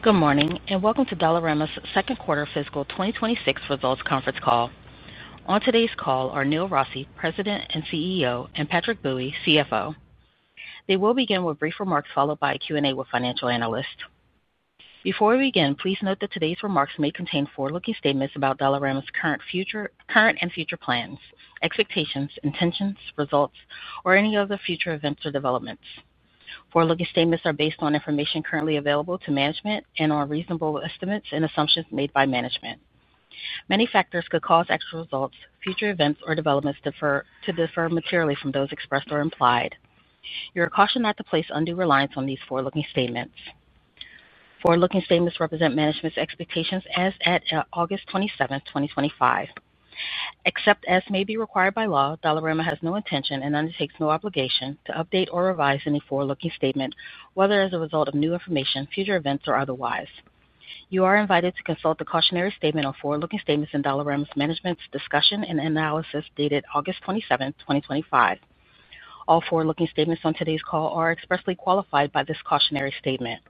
Good morning and welcome to Dollarama's second quarter fiscal 2026 results conference call. On today's call are Neil Rossy, President and CEO, and Patrick Bui, CFO. They will begin with brief remarks followed by a Q&A with financial analysts. Before we begin, please note that today's remarks may contain forward-looking statements about Dollarama's current and future plans, expectations, intentions, results, or any other future events or developments. Forward-looking statements are based on information currently available to management and on reasonable estimates and assumptions made by management. Many factors could cause actual results, future events, or developments to differ materially from those expressed or implied. You are cautioned not to place undue reliance on these forward-looking statements. Forward-looking statements represent management's expectations as at August 27, 2025. Except as may be required by law, Dollarama has no intention and undertakes no obligation to update or revise any forward-looking statement, whether as a result of new information, future events, or otherwise. You are invited to consult the cautionary statement on forward-looking statements in Dollarama's management's discussion and analysis dated August 27, 2025. All forward-looking statements on today's call are expressly qualified by this cautionary statement.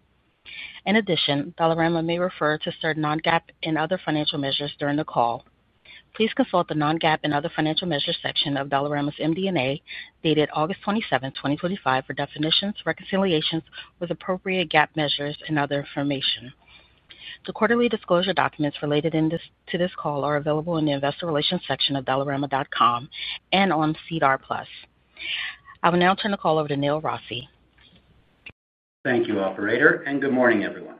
In addition, Dollarama may refer to certain non-GAAP and other financial measures during the call. Please consult the non-GAAP and other financial measures section of Dollarama's MD&A dated August 27, 2025, for definitions, reconciliations with appropriate GAAP measures, and other information. The quarterly disclosure documents related to this call are available in the investor relations section of dollarama.com and on CDAR Plus. I will now turn the call over to Neil Rossy. Thank you, Operator, and good morning, everyone.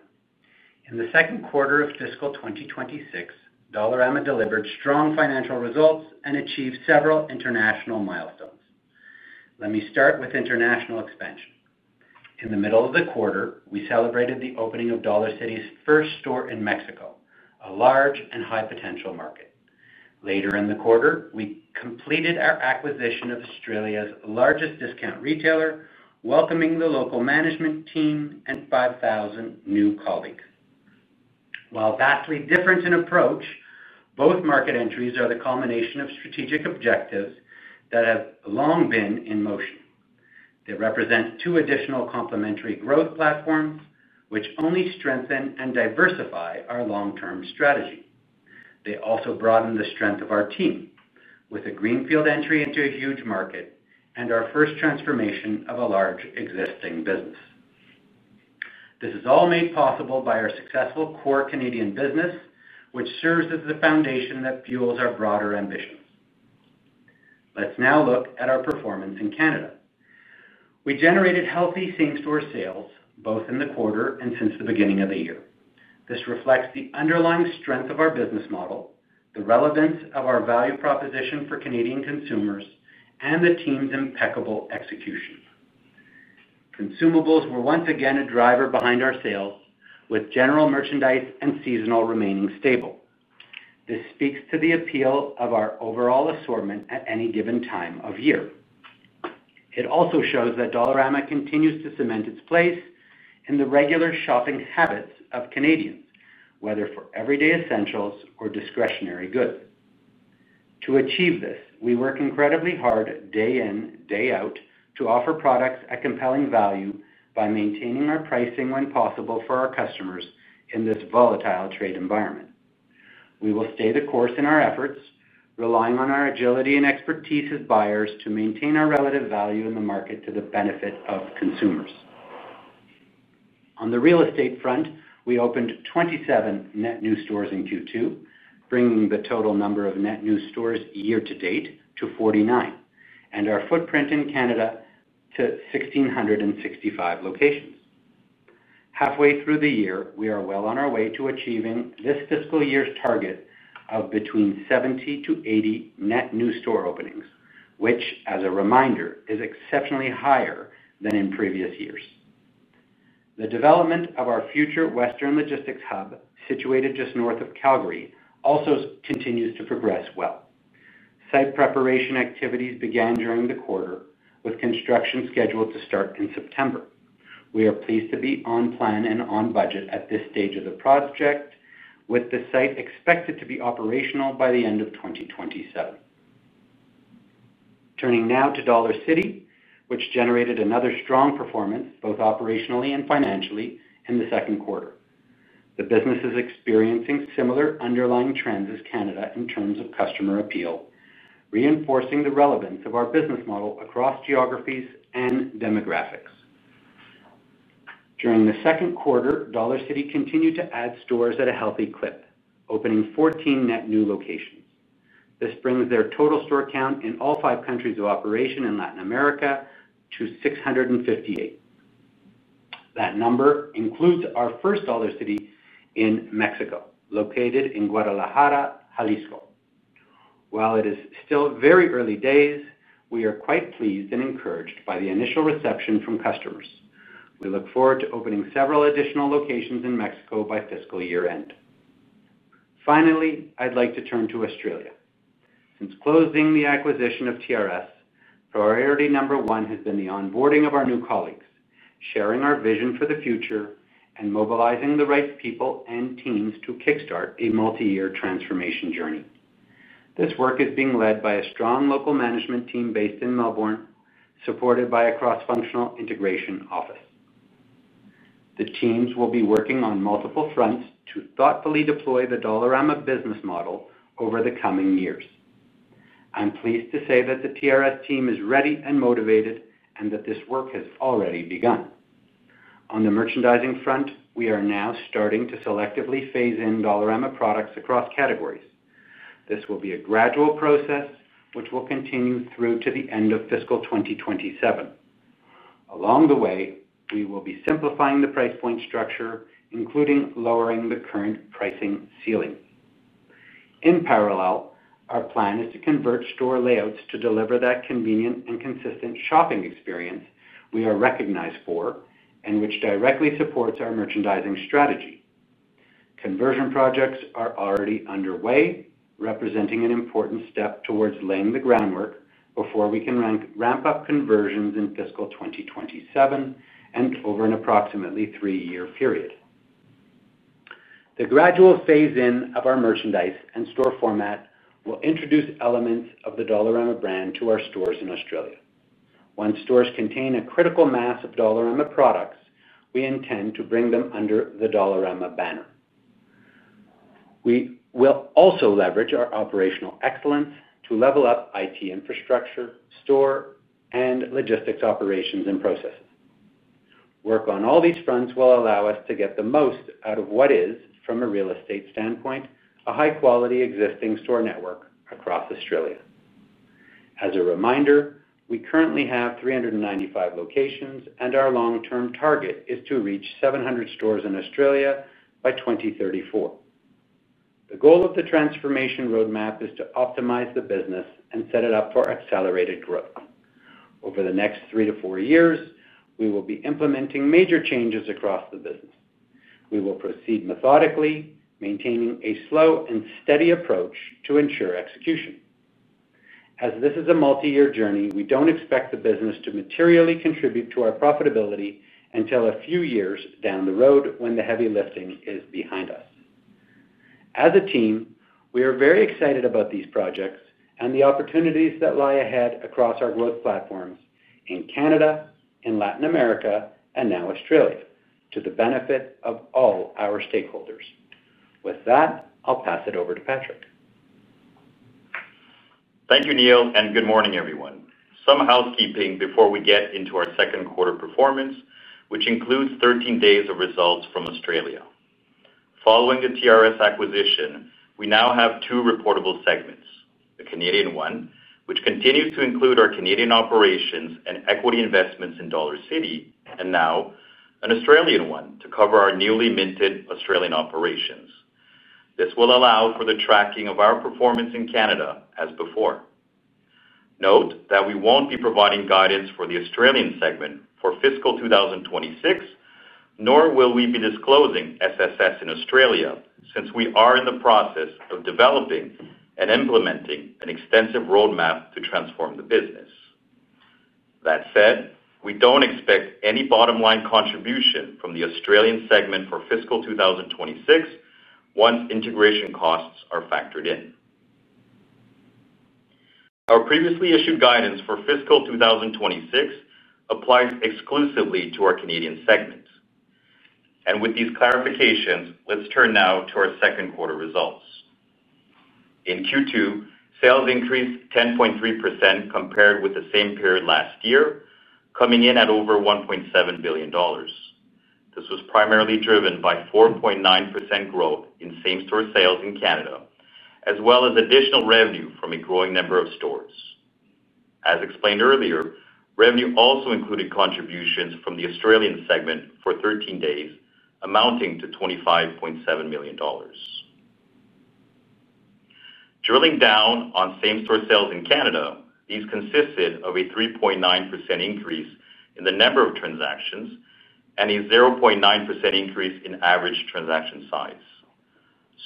In the second quarter of fiscal 2026, Dollarama delivered strong financial results and achieved several international milestones. Let me start with international expansion. In the middle of the quarter, we celebrated the opening of Dollarcity's first store in Mexico, a large and high-potential market. Later in the quarter, we completed our acquisition of Australia's largest discount retailer, welcoming the local management team and 5,000 new colleagues. While vastly different in approach, both market entries are the culmination of strategic objectives that have long been in motion. They represent two additional complementary growth platforms, which only strengthen and diversify our long-term strategy. They also broaden the strength of our team, with a greenfield entry into a huge market and our first transformation of a large existing business. This is all made possible by our successful core Canadian business, which serves as the foundation that fuels our broader ambitions. Let's now look at our performance in Canada. We generated healthy same-store sales, both in the quarter and since the beginning of the year. This reflects the underlying strength of our business model, the relevance of our value proposition for Canadian consumers, and the team's impeccable execution. Consumables were once again a driver behind our sales, with general merchandise and seasonal remaining stable. This speaks to the appeal of our overall assortment at any given time of year. It also shows that Dollarama continues to cement its place in the regular shopping habits of Canadians, whether for everyday essentials or discretionary goods. To achieve this, we work incredibly hard day in, day out to offer products at compelling value by maintaining our pricing when possible for our customers in this volatile trade environment. We will stay the course in our efforts, relying on our agility and expertise with buyers to maintain our relative value in the market to the benefit of consumers. On the real estate front, we opened 27 net new stores in Q2, bringing the total number of net new stores year to date to 49, and our footprint in Canada to 1,665 locations. Halfway through the year, we are well on our way to achieving this fiscal year's target of between 70-80 net new store openings, which, as a reminder, is exceptionally higher than in previous years. The development of our future Western logistics hub, situated just north of Calgary, also continues to progress well. Site preparation activities began during the quarter, with construction scheduled to start in September. We are pleased to be on plan and on budget at this stage of the project, with the site expected to be operational by the end of 2027. Turning now to Dollarcity, which generated another strong performance, both operationally and financially, in the second quarter. The business is experiencing similar underlying trends as Canada in terms of customer appeal, reinforcing the relevance of our business model across geographies and demographics. During the second quarter, Dollarcity continued to add stores at a healthy clip, opening 14 net new locations. This brings their total store count in all five countries of operation in Latin America to 658. That number includes our first Dollarcity in Mexico, located in Guadalajara, Jalisco. While it is still very early days, we are quite pleased and encouraged by the initial reception from customers. We look forward to opening several additional locations in Mexico by fiscal year end. Finally, I'd like to turn to Australia. Since closing the acquisition of TRS, priority number one has been the onboarding of our new colleagues, sharing our vision for the future, and mobilizing the right people and teams to kickstart a multi-year transformation journey. This work is being led by a strong local management team based in Melbourne, supported by a cross-functional integration office. The teams will be working on multiple fronts to thoughtfully deploy the Dollarama business model over the coming years. I'm pleased to say that the TRS team is ready and motivated and that this work has already begun. On the merchandising front, we are now starting to selectively phase in Dollarama products across categories. This will be a gradual process, which will continue through to the end of fiscal 2027. Along the way, we will be simplifying the price point structure, including lowering the current pricing ceiling. In parallel, our plan is to convert store layouts to deliver that convenient and consistent shopping experience we are recognized for, and which directly supports our merchandising strategy. Conversion projects are already underway, representing an important step towards laying the groundwork before we can ramp up conversions in fiscal 2027 and over an approximately three-year period. The gradual phase-in of our merchandise and store format will introduce elements of the Dollarama brand to our stores in Australia. Once stores contain a critical mass of Dollarama products, we intend to bring them under the Dollarama banner. We will also leverage our operational excellence to level up IT infrastructure, store, and logistics operations and processes. Work on all these fronts will allow us to get the most out of what is, from a real estate standpoint, a high-quality existing store network across Australia. As a reminder, we currently have 395 locations, and our long-term target is to reach 700 stores in Australia by 2034. The goal of the transformation roadmap is to optimize the business and set it up for accelerated growth. Over the next three to four years, we will be implementing major changes across the business. We will proceed methodically, maintaining a slow and steady approach to ensure execution. As this is a multi-year journey, we don't expect the business to materially contribute to our profitability until a few years down the road when the heavy lifting is behind us. As a team, we are very excited about these projects and the opportunities that lie ahead across our growth platforms in Canada, in Latin America, and now Australia, to the benefit of all our stakeholders. With that, I'll pass it over to Patrick. Thank you, Neil, and good morning, everyone. Some housekeeping before we get into our second quarter performance, which includes 13 days of results from Australia. Following the TRS acquisition, we now have two reportable segments: the Canadian one, which continues to include our Canadian operations and equity investments in Dollarcity, and now an Australian one to cover our newly minted Australian operations. This will allow for the tracking of our performance in Canada as before. Note that we won't be providing guidance for the Australian segment for fiscal 2026, nor will we be disclosing SSS in Australia, since we are in the process of developing and implementing an extensive roadmap to transform the business. That said, we don't expect any bottom-line contribution from the Australian segment for fiscal 2026 once integration costs are factored in. Our previously issued guidance for fiscal 2026 applies exclusively to our Canadian segments. With these clarifications, let's turn now to our second quarter results. In Q2, sales increased 10.3% compared with the same period last year, coming in at over $1.7 billion. This was primarily driven by 4.9% growth in same-store sales in Canada, as well as additional revenue from a growing number of stores. As explained earlier, revenue also included contributions from the Australian segment for 13 days, amounting to $25.7 million. Drilling down on same-store sales in Canada, these consisted of a 3.9% increase in the number of transactions and a 0.9% increase in average transaction size.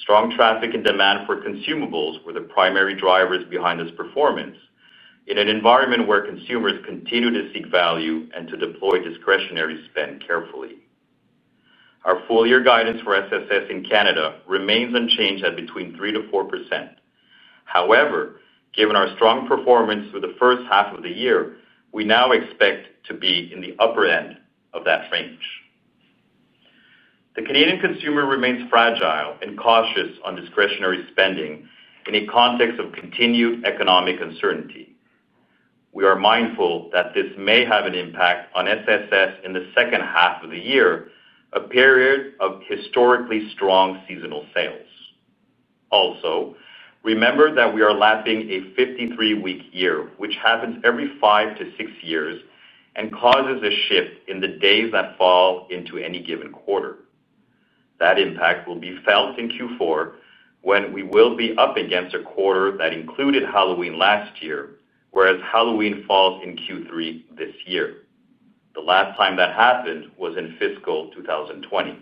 Strong traffic and demand for consumables were the primary drivers behind this performance in an environment where consumers continue to seek value and to deploy discretionary spend carefully. Our full-year guidance for SSS in Canada remains unchanged at between 3%-4%. However, given our strong performance through the first half of the year, we now expect to be in the upper end of that range. The Canadian consumer remains fragile and cautious on discretionary spending in a context of continued economic uncertainty. We are mindful that this may have an impact on SSS in the second half of the year, a period of historically strong seasonal sales. Also, remember that we are lapping a 53-week year, which happens every five to six years and causes a shift in the days that fall into any given quarter. That impact will be felt in Q4 when we will be up against a quarter that included Halloween last year, whereas Halloween falls in Q3 this year. The last time that happened was in fiscal 2020.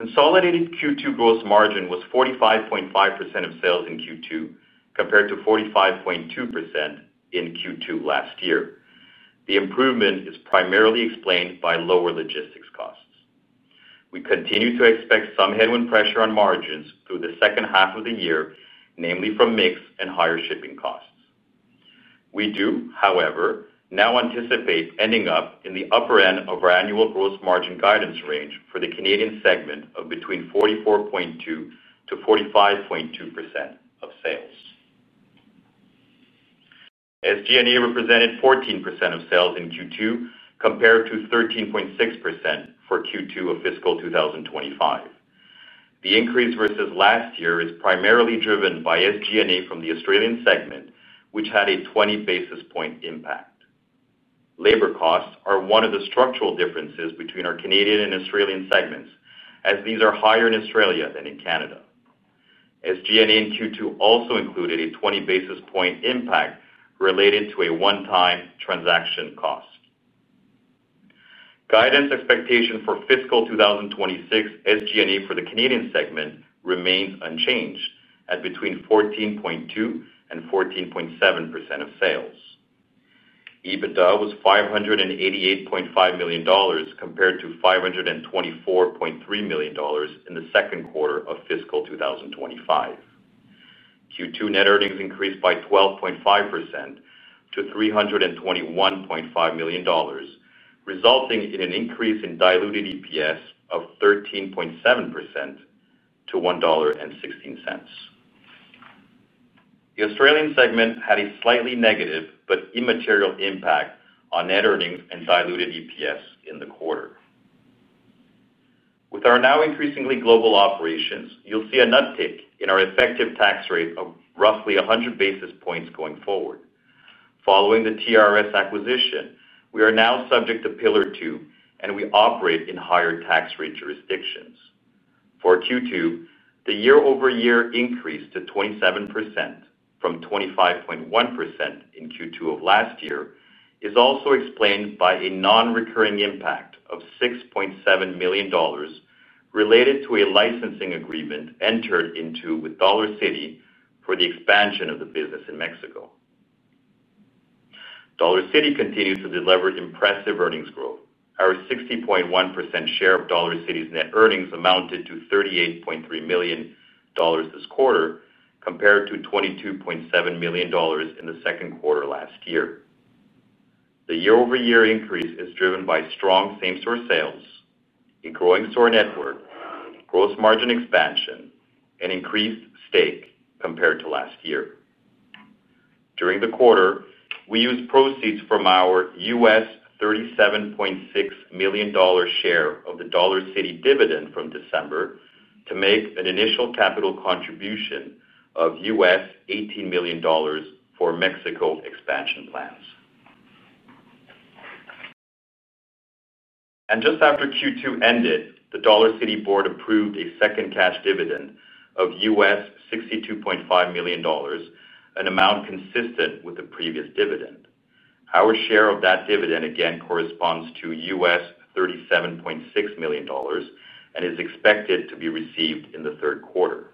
Consolidated Q2 gross margin was 45.5% of sales in Q2 compared to 45.2% in Q2 last year. The improvement is primarily explained by lower logistics costs. We continue to expect some headwind pressure on margins through the second half of the year, namely from mix and higher shipping costs. We do, however, now anticipate ending up in the upper end of our annual gross margin guidance range for the Canadian segment of between 44.2%-45.2% of sales. SG&A represented 14% of sales in Q2 compared to 13.6% for Q2 of fiscal 2025. The increase versus last year is primarily driven by SG&A from the Australian segment, which had a 20 basis point impact. Labor costs are one of the structural differences between our Canadian and Australian segments, as these are higher in Australia than in Canada. SG&A in Q2 also included a 20 basis point impact related to a one-time transaction cost. Guidance expectation for fiscal 2026 SG&A for the Canadian segment remains unchanged at between 14.2% and 14.7% of sales. EBITDA was $588.5 million compared to $524.3 million in the second quarter of fiscal 2025. Q2 net earnings increased by 12.5% to $321.5 million, resulting in an increase in diluted EPS of 13.7% to $1.16. The Australian segment had a slightly negative but immaterial impact on net earnings and diluted EPS in the quarter. With our now increasingly global operations, you'll see a nutpick in our effective tax rate of roughly 100 basis points going forward. Following the TRS acquisition, we are now subject to Pillar 2, and we operate in higher tax rate jurisdictions. For Q2, the year-over-year increase to 27% from 25.1% in Q2 of last year is also explained by a non-recurring impact of $6.7 million related to a licensing agreement entered into with Dollarcity for the expansion of the business in Mexico. Dollarcity continues to deliver impressive earnings growth. Our 60.1% share of Dollarcity's net earnings amounted to $38.3 million this quarter compared to $22.7 million in the second quarter last year. The year-over-year increase is driven by strong same-store sales, a growing store network, gross margin expansion, and increased stake compared to last year. During the quarter, we used proceeds from our U.S. $37.6 million share of the Dollarcity dividend from December to make an initial capital contribution of U.S. $18 million for Mexico expansion plans. Just after Q2 ended, the Dollarcity board approved a second cash dividend of U.S. $62.5 million, an amount consistent with the previous dividend. Our share of that dividend again corresponds to U.S. $37.6 million and is expected to be received in the third quarter.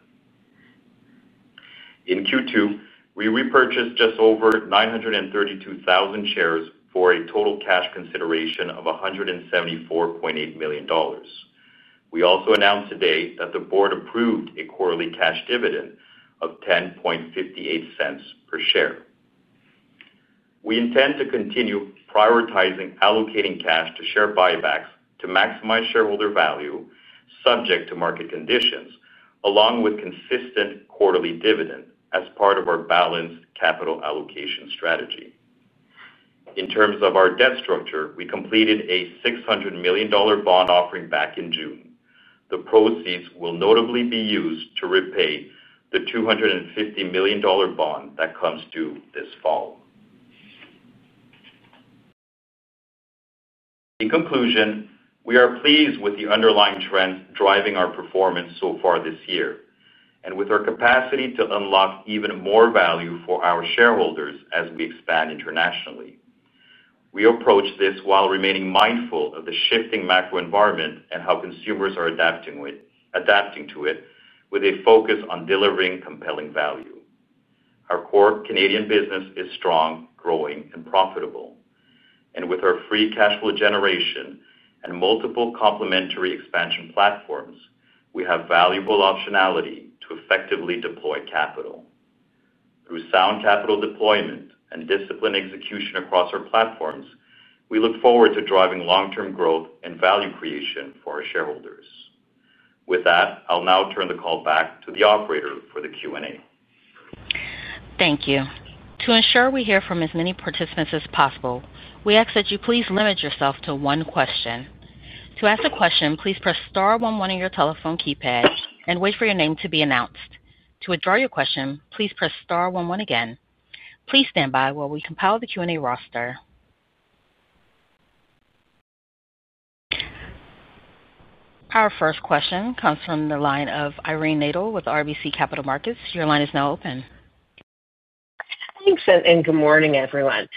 In Q2, we repurchased just over 932,000 shares for a total cash consideration of $174.8 million. We also announced today that the board approved a quarterly cash dividend of $0.1058 per share. We intend to continue prioritizing allocating cash to share buybacks to maximize shareholder value subject to market conditions, along with consistent quarterly dividend as part of our balanced capital allocation strategy. In terms of our debt structure, we completed a $600 million bond offering back in June. The proceeds will notably be used to repay the $250 million bond that comes due this fall. In conclusion, we are pleased with the underlying trends driving our performance so far this year and with our capacity to unlock even more value for our shareholders as we expand internationally. We approach this while remaining mindful of the shifting macro environment and how consumers are adapting to it, with a focus on delivering compelling value. Our core Canadian business is strong, growing, and profitable. With our free cash flow generation and multiple complementary expansion platforms, we have valuable optionality to effectively deploy capital. Through sound capital deployment and disciplined execution across our platforms, we look forward to driving long-term growth and value creation for our shareholders. With that, I'll now turn the call back to the Operator for the Q&A. Thank you. To ensure we hear from as many participants as possible, we ask that you please limit yourself to one question. To ask a question, please press star one one on your telephone keypad and wait for your name to be announced. To withdraw your question, please press star one one again. Please stand by while we compile the Q&A roster. Our first question comes from the line of Irene Nattel with RBC Capital Markets. Your line is now open. Thanks, and good morning, everyone.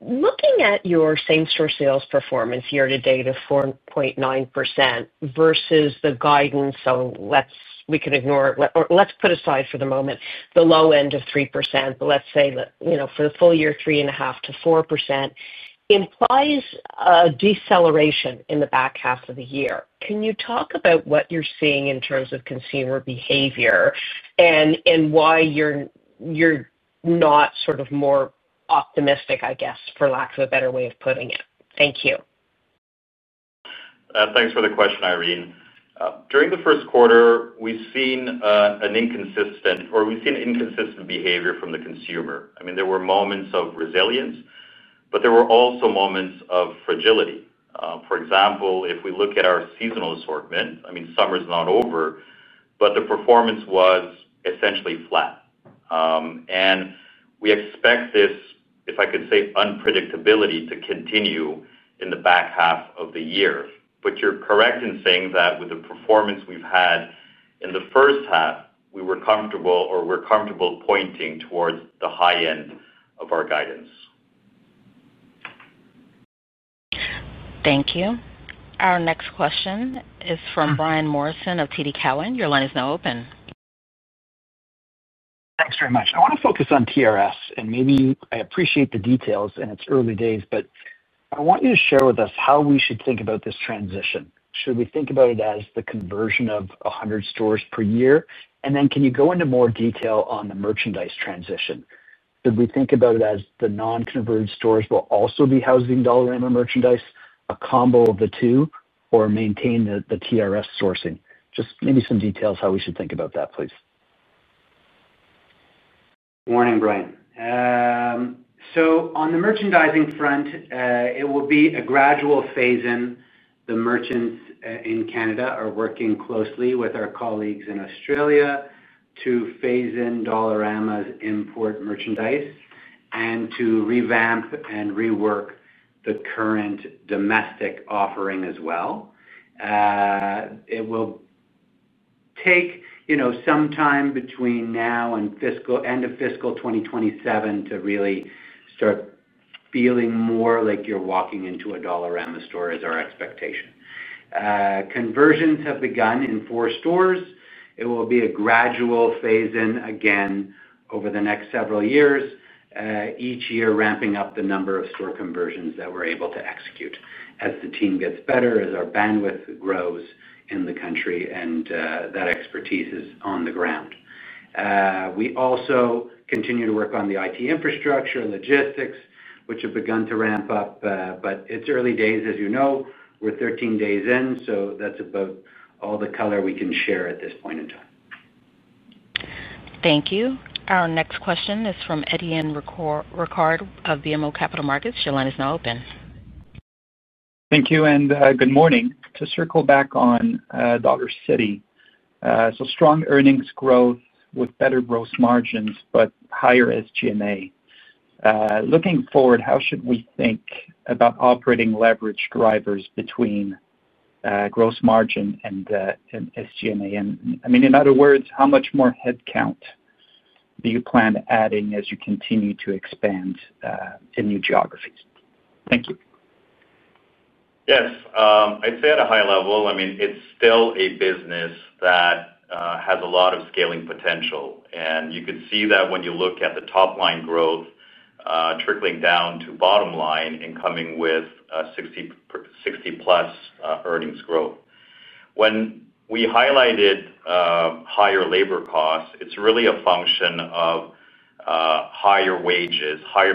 Looking at your same-store sales performance year to date, of 4.9% versus the guidance, let's put aside for the moment the low end of 3%, but let's say, you know, for the full year, 3.5%4% implies a deceleration in the back half of the year. Can you talk about what you're seeing in terms of consumer behavior and why you're not sort of more optimistic, I guess, for lack of a better way of putting it? Thank you. Thanks for the question, Irene. During the first quarter, we've seen inconsistent behavior from the consumer. I mean, there were moments of resilience, but there were also moments of fragility. For example, if we look at our seasonal assortment, summer's not over, but the performance was essentially flat. We expect this, if I could say, unpredictability to continue in the back half of the year. You're correct in saying that with the performance we've had in the first half, we're comfortable pointing towards the high end of our guidance. Thank you. Our next question is from Brian Morrison of TD Cowen. Your line is now open. Thanks very much. I want to focus on The Reject Shop, and maybe you, I appreciate the details in its early days, but I want you to share with us how we should think about this transition. Should we think about it as the conversion of 100 stores per year, and then can you go into more detail on the merchandise transition? Should we think about it as the non-converted stores will also be housing Dollarama products, a combo of the two, or maintain TRS sourcing? Just maybe some details how we should think about that, please. Morning, Brian. On the merchandising front, it will be a gradual phase-in. The merchants in Canada are working closely with our colleagues in Australia to phase in Dollarama's import merchandise and to revamp and rework the current domestic offering as well. It will take some time between now and the end of fiscal 2027 to really start feeling more like you're walking into a Dollarama store, is our expectation. Conversions have begun in four stores. It will be a gradual phase-in again over the next several years, each year ramping up the number of store conversions that we're able to execute as the team gets better, as our bandwidth grows in the country, and that expertise is on the ground. We also continue to work on the IT infrastructure and logistics, which have begun to ramp up, but it's early days, as you know. We're 13 days in, so that's about all the color we can share at this point in time. Thank you. Our next question is from Étienne Ricard of BMO Capital Markets. Your line is now open. Thank you, and good morning. To circle back on Dollarcity, strong earnings growth with better gross margins, but higher SG&A. Looking forward, how should we think about operating leverage drivers between gross margin and SG&A? In other words, how much more headcount do you plan to add in as you continue to expand in new geographies? Thank you. Yes, I'd say at a high level, I mean, it's still a business that has a lot of scaling potential. You could see that when you look at the top line growth trickling down to bottom line in coming with 60%+ earnings growth. When we highlighted higher labor costs, it's really a function of higher wages, higher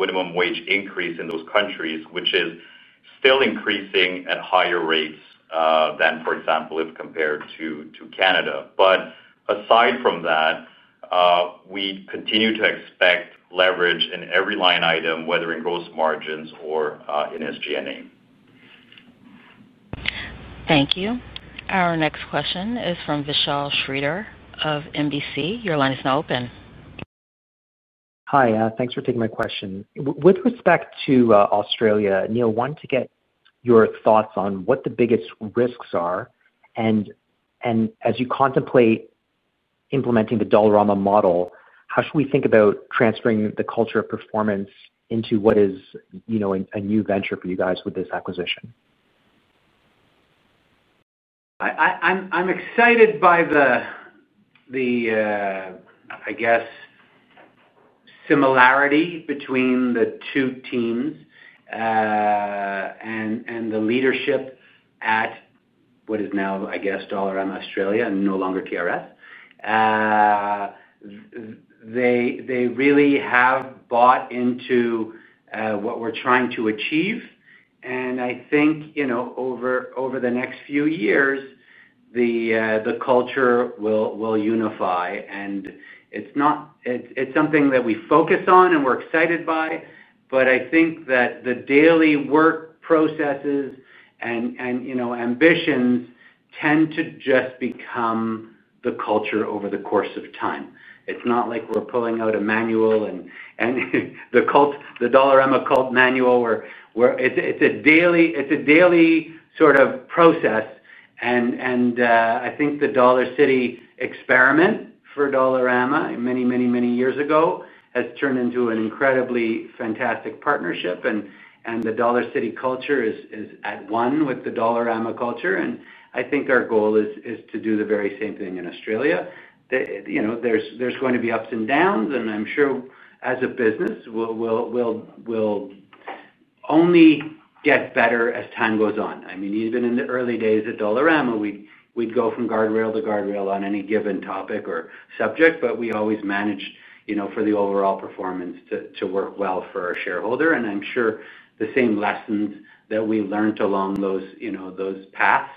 minimum wage increase in those countries, which is still increasing at higher rates than, for example, if compared to Canada. Aside from that, we continue to expect leverage in every line item, whether in gross margins or in SG&A. Thank you. Our next question is from Vishal Shreedhar of NBC. Your line is now open. Hi, thanks for taking my question. With respect to Australia, Neil, I wanted to get your thoughts on what the biggest risks are. As you contemplate implementing the Dollarama model, how should we think about transferring the culture of performance into what is, you know, a new venture for you guys with this acquisition? I'm excited by the similarity between the two teams and the leadership at what is now, I guess, Dollarama Australia and no longer TRS. They really have bought into what we're trying to achieve. I think over the next few years, the culture will unify. It's something that we focus on and we're excited by. I think that the daily work processes and ambitions tend to just become the culture over the course of time. It's not like we're pulling out a manual and the Dollarama cult manual. It's a daily sort of process. I think the Dollarcity experiment for Dollarama many, many, many years ago has turned into an incredibly fantastic partnership. The Dollarcity culture is at one with the Dollarama culture. I think our goal is to do the very same thing in Australia. There's going to be ups and downs. I'm sure as a business, we'll only get better as time goes on. I mean, even in the early days at Dollarama, we'd go from guardrail to guardrail on any given topic or subject, but we always managed for the overall performance to work well for our shareholder. I'm sure the same lessons that we learned along those paths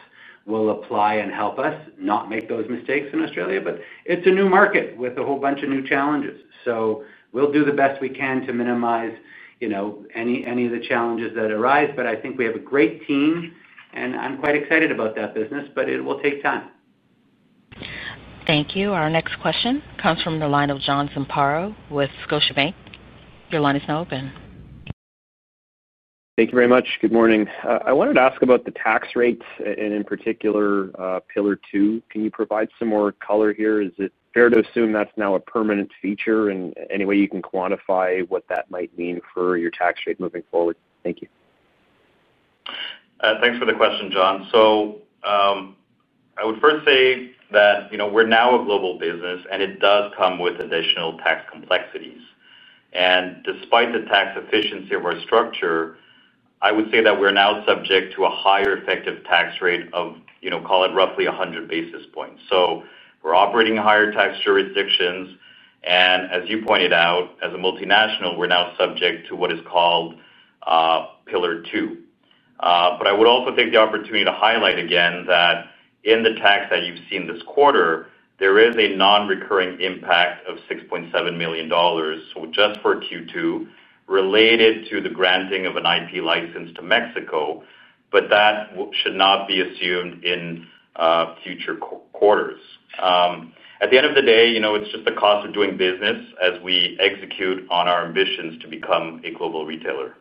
will apply and help us not make those mistakes in Australia. It's a new market with a whole bunch of new challenges. We'll do the best we can to minimize any of the challenges that arise. I think we have a great team, and I'm quite excited about that business, but it will take time. Thank you. Our next question comes from the line of John Zamparo with Scotiabank. Your line is now open. Thank you very much. Good morning. I wanted to ask about the tax rates and in particular Pillar 2. Can you provide some more color here? Is it fair to assume that's now a permanent feature, and any way you can quantify what that might mean for your tax rate moving forward? Thank you. Thanks for the question, John. I would first say that, you know, we're now a global business, and it does come with additional tax complexities. Despite the tax efficiency of our structure, I would say that we're now subject to a higher effective tax rate of, you know, call it roughly 100 basis points. We're operating in higher tax jurisdictions. As you pointed out, as a multinational, we're now subject to what is called Pillar 2. I would also take the opportunity to highlight again that in the tax that you've seen this quarter, there is a non-recurring impact of $6.7 million, just for Q2, related to the granting of an IP license to Mexico. That should not be assumed in future quarters. At the end of the day, you know, it's just the cost of doing business as we execute on our ambitions to become a global retailer.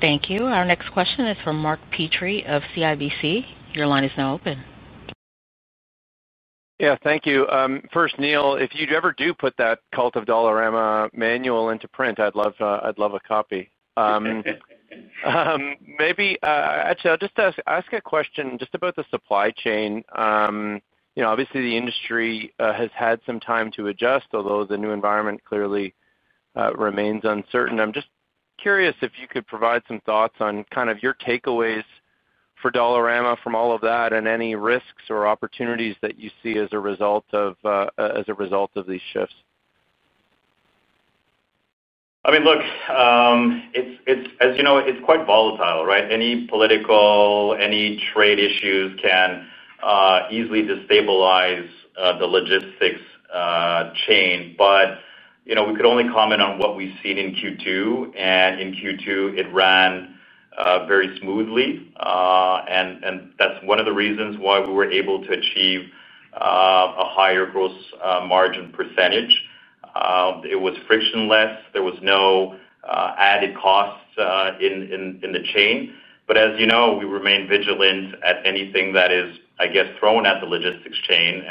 Thank you. Our next question is from Mark Petrie of CIBC. Your line is now open. Yeah, thank you. First, Neil, if you ever do put that cult of Dollarama manual into print, I'd love a copy. Maybe, actually, I'll just ask a question about the supply chain. Obviously, the industry has had some time to adjust, although the new environment clearly remains uncertain. I'm just curious if you could provide some thoughts on your takeaways for Dollarama from all of that and any risks or opportunities that you see as a result of these shifts. I mean, look, as you know, it's quite volatile, right? Any political, any trade issues can easily destabilize the logistics chain. We could only comment on what we've seen in Q2. In Q2, it ran very smoothly, and that's one of the reasons why we were able to achieve a higher gross margin percentage. It was frictionless. There was no added cost in the chain. As you know, we remain vigilant at anything that is, I guess, thrown at the logistics chain.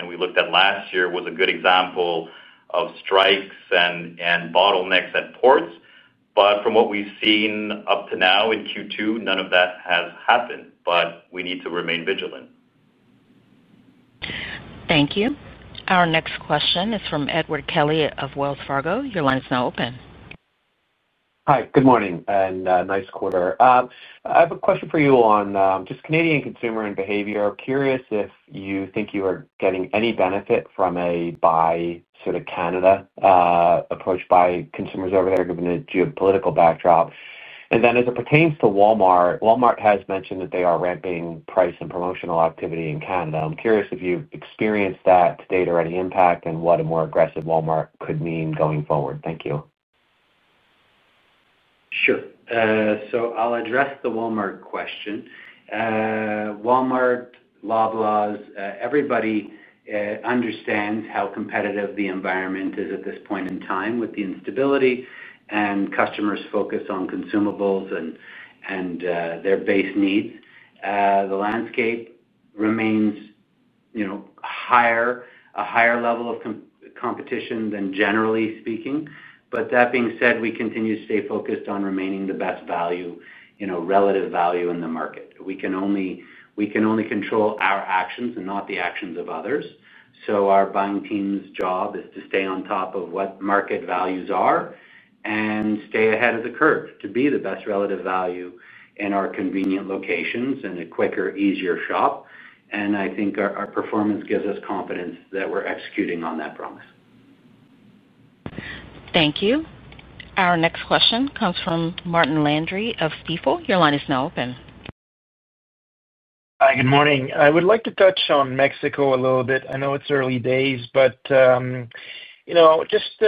Last year was a good example of strikes and bottlenecks at ports. From what we've seen up to now in Q2, none of that has happened. We need to remain vigilant. Thank you. Our next question is from Edward Kelly of Wells Fargo. Your line is now open. Hi, good morning, and nice quarter. I have a question for you on just Canadian consumer and behavior. I'm curious if you think you are getting any benefit from a buy sort of Canada approach by consumers over there, given the geopolitical backdrop. As it pertains to Walmart, Walmart has mentioned that they are ramping price and promotional activity in Canada. I'm curious if you've experienced that data or any impact and what a more aggressive Walmart could mean going forward. Thank you. Sure. I'll address the Walmart question. Walmart, Loblaws, everybody understands how competitive the environment is at this point in time with the instability and customers focused on consumables and their base needs. The landscape remains a higher level of competition than generally speaking. That being said, we continue to stay focused on remaining the best value, relative value in the market. We can only control our actions and not the actions of others. Our buying team's job is to stay on top of what market values are and stay ahead of the curve to be the best relative value in our convenient locations and a quicker, easier shop. I think our performance gives us confidence that we're executing on that promise. Thank you. Our next question comes from Martin Landry of Stifel. Your line is now open. Hi, good morning. I would like to touch on Mexico a little bit. I know it's early days, but just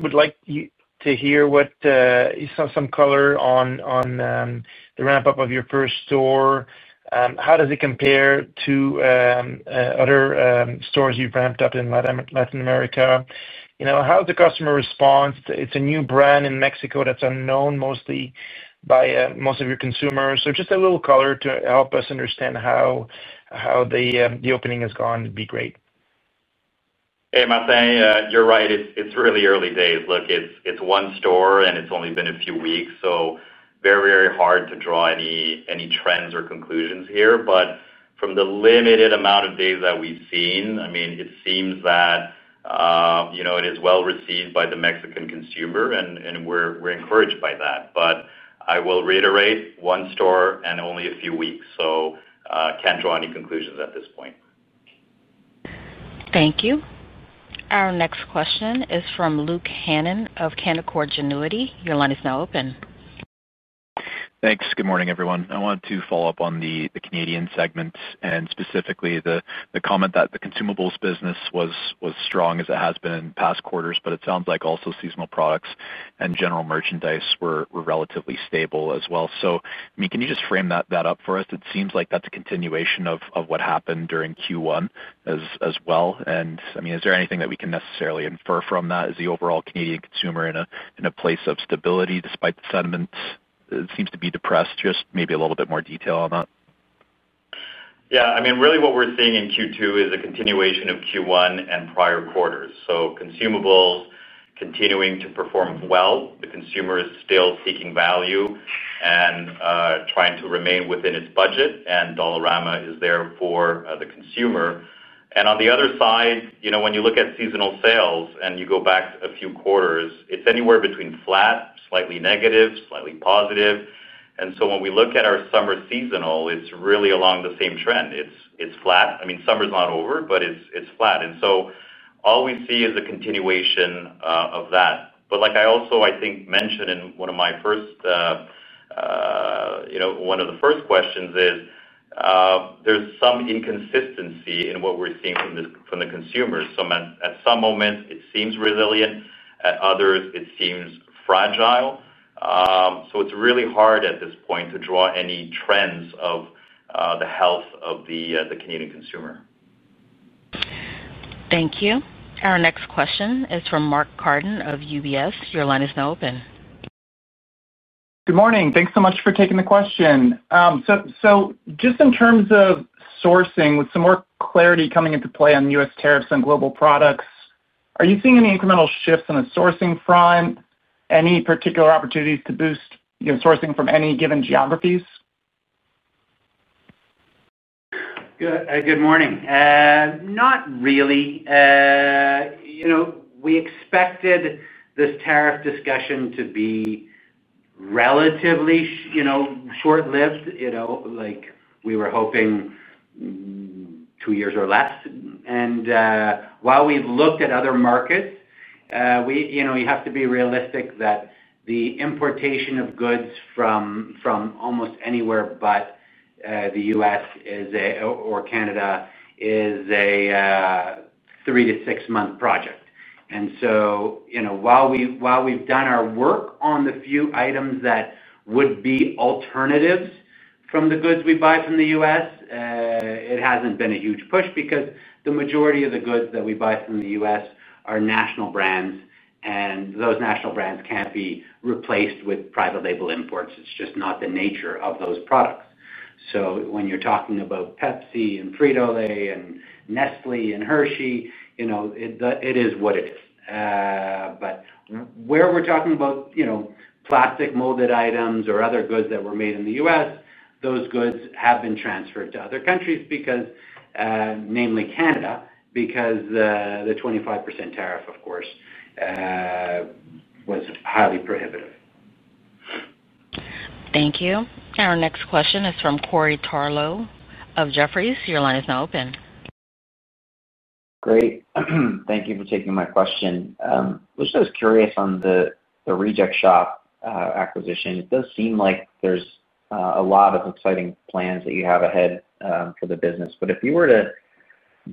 would like to hear what you saw, some color on the ramp-up of your first store. How does it compare to other stores you've ramped up in Latin America? How does the customer respond? It's a new brand in Mexico that's unknown mostly by most of your consumers. Just a little color to help us understand how the opening has gone would be great. You're right. It's really early days. Look, it's one store and it's only been a few weeks, so very, very hard to draw any trends or conclusions here. From the limited amount of days that we've seen, it seems that it is well received by the Mexican consumer and we're encouraged by that. I will reiterate, one store and only a few weeks, so can't draw any conclusions at this point. Thank you. Our next question is from Luke Hannan of Canaccord Genuity. Your line is now open. Thanks. Good morning, everyone. I want to follow up on the Canadian segment and specifically the comment that the consumables business was strong as it has been in past quarters, but it sounds like also seasonal products and general merchandise were relatively stable as well. Can you just frame that up for us? It seems like that's a continuation of what happened during Q1 as well. Is there anything that we can necessarily infer from that? Is the overall Canadian consumer in a place of stability despite the sentiment? It seems to be depressed. Just maybe a little bit more detail on that. Yeah, I mean, really what we're seeing in Q2 is a continuation of Q1 and prior quarters. Consumables continuing to perform well. The consumer is still seeking value and trying to remain within its budget, and Dollarama is there for the consumer. On the other side, when you look at seasonal sales and you go back a few quarters, it's anywhere between flat, slightly negative, slightly positive. When we look at our summer seasonal, it's really along the same trend. It's flat. I mean, summer's not over, but it's flat. All we see is a continuation of that. I also think, as I mentioned in one of my first questions, there's some inconsistency in what we're seeing from the consumers. At some moments, it seems resilient, at others, it seems fragile. It's really hard at this point to draw any trends of the health of the Canadian consumer. Thank you. Our next question is from Mark Carden of UBS. Your line is now open. Good morning. Thanks so much for taking the question. In terms of sourcing, with some more clarity coming into play on U.S. tariffs on global products, are you seeing any incremental shifts in the sourcing front? Any particular opportunities to boost sourcing from any given geographies? Good morning. You know, we expected this tariff discussion to be relatively short-lived, like we were hoping two years or less. While we've looked at other markets, you have to be realistic that the importation of goods from almost anywhere but the U.S. or Canada is a three to six-month project. While we've done our work on the few items that would be alternatives from the goods we buy from the U.S., it hasn't been a huge push because the majority of the goods that we buy from the U.S. are national brands, and those national brands can't be replaced with private label imports. It's just not the nature of those products. When you're talking about Pepsi and FritoLay and Nestlé and Hershey, it is what it is. Where we're talking about plastic molded items or other goods that were made in the U.S., those goods have been transferred to other countries, namely Canada, because the 25% tariff, of course, was highly prohibitive. Thank you. Our next question is from Corey Tarlowe of Jefferies. Your line is now open. Great. Thank you for taking my question. I was just curious on The Reject Shop acquisition. It does seem like there's a lot of exciting plans that you have ahead for the business. If you were to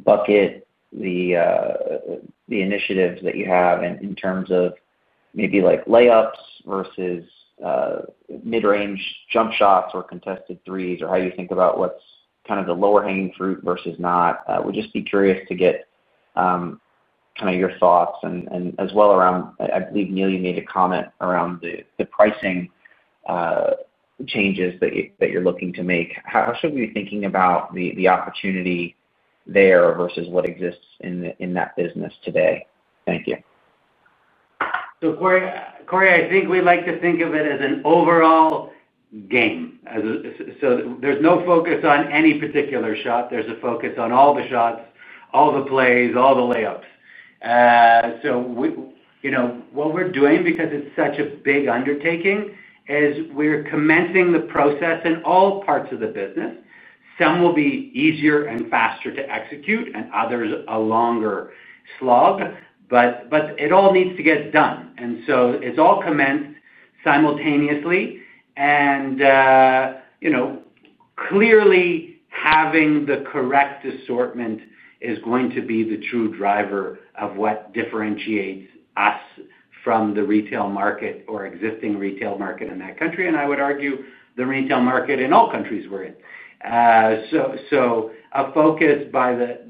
bucket the initiatives that you have in terms of maybe like layups versus mid-range jump shots or contested threes, how do you think about what's kind of the lower hanging fruit versus not? I would just be curious to get your thoughts and as well around, I believe Neil, you made a comment around the pricing changes that you're looking to make. How should we be thinking about the opportunity there versus what exists in that business today? Thank you. Corey, I think we like to think of it as an overall game. There's no focus on any particular shot. There's a focus on all the shots, all the plays, all the layups. What we're doing, because it's such a big undertaking, is commencing the process in all parts of the business. Some will be easier and faster to execute, and others a longer slog. It all needs to get done, so it's all commenced simultaneously. Clearly, having the correct assortment is going to be the true driver of what differentiates us from the retail market or existing retail market in that country. I would argue the retail market in all countries we're in. A focus by the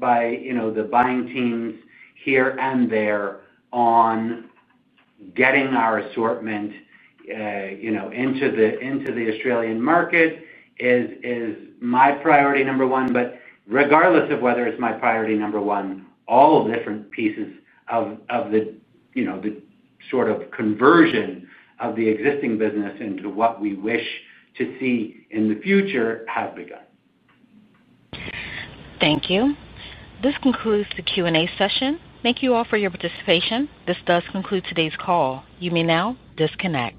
buying teams here and there on getting our assortment into the Australian market is my priority number one. Regardless of whether it's my priority number one, all the different pieces of the sort of conversion of the existing business into what we wish to see in the future have begun. Thank you. This concludes the Q&A session. Thank you all for your participation. This does conclude today's call. You may now disconnect.